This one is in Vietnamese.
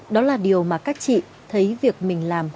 đó là điều mà các chị thấy việc mình làm